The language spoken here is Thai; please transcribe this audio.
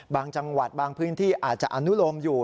บางจังหวัดบางพื้นที่อาจจะอนุโลมอยู่